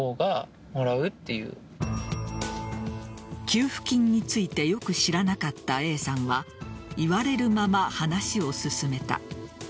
給付金についてよく知らなかったＡさんは言われるまま話を進めた。